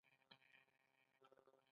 آیا دوی د انفلاسیون مخه نه نیسي؟